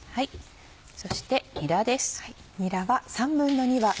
そしてにらです。